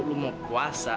lu mau puasa